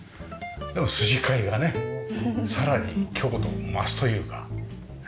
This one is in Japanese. でも筋交いがねさらに強度を増すというか。